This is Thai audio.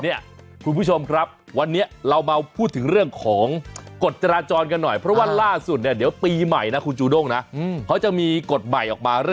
นี่คุณผู้ชมครับวันนี้เรามาพูดถึงเรื่องของกฎจราจรกันหน่อย